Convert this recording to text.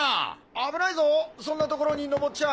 危ないぞそんな所にのぼっちゃ！